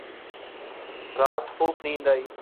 رات خوب نیند آئی